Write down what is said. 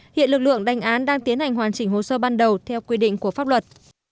hiện lực lượng đánh án đang tiến hành hoàn chỉnh hồ sơ ban đầu theo quy định của pháp luật